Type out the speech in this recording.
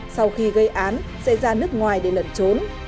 sau khi gây án sẽ ra nước ngoài để lẩn trốn